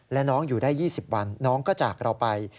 และน้องอยู่ได้๒๐วันน้องก็จากเราไป